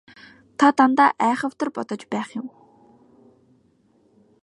Та дандаа айхавтар бодож байх юм.